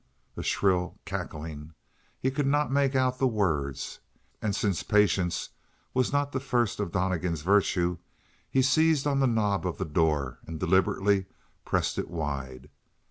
A shrill cackling he could not make out the words. And since patience was not the first of Donnegan's virtues, he seized on the knob of the door and deliberately pressed it wide.